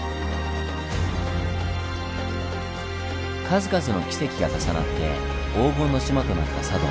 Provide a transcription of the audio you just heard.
数々のキセキが重なって「黄金の島」となった佐渡。